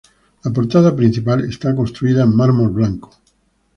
La portada principal está construida en mármol blanco.